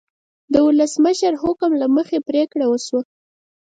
د ولسمشر حکم له مخې پریکړه وشوه.